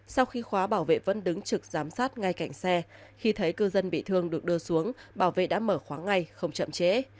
sau khi khóa bảo vệ vẫn đứng trực giám sát ngay cạnh xe khi thấy cư dân bị thương được đưa xuống bảo vệ đã mở khoáng ngay không chậm trễ